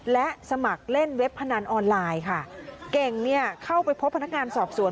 และสมัครเล่นเว็บพนันออนไลน์ค่ะเก่งเนี่ยเข้าไปพบพนักงานสอบสวน